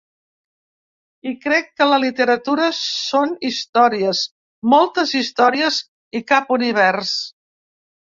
I crec que la literatura són històries, moltes històries, i cap univers.